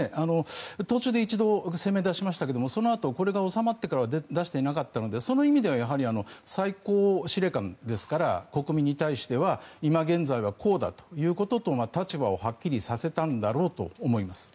途中で一度声明を出しましたがそのあとこれが収まってからは出していなかったのでその意味では最高司令官ですから国民に対しては今現在はこうだということと立場をはっきりさせたんだろうと思います。